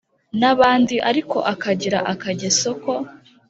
nabandi ariko akagira akageso ko